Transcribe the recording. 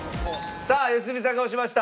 さあ良純さんが押しました。